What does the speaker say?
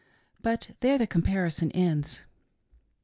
But there the comparison ends.